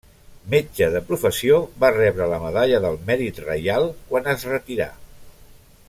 Metge de professió, va rebre la Medalla del Mèrit Reial quan es retirà.